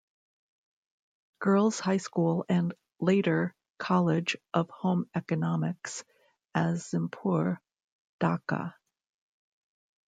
Girls' High School and Later College of Home Economics, Azimpur, Dhaka.